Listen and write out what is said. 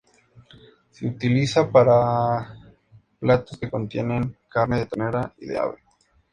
Se utiliza para platos que contienen carne de ternera y de ave.